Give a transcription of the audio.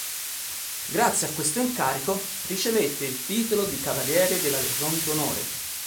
Grazie a questo incarico, ricevette il titolo di cavaliere della Legion d'onore.